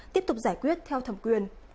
tiếp tục giải quyết theo thẩm quyền